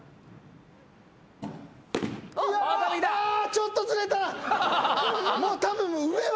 ちょっとずれた。